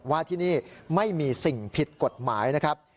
ว่าที่นี่ไม่มีสิ่งผิดกฎหมายนะครับ